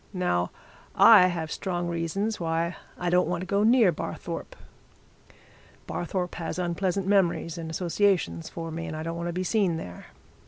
Now, I have strong reasons why I don't want to go near Barthorpe Barthorpe has unpleasant memories and associations for me, and I don't want to be seen there.